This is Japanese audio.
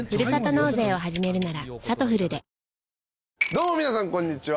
どうも皆さんこんにちは。